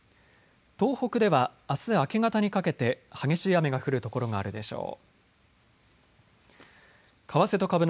東北ではあす明け方にかけて激しい雨が降る所があるでしょう。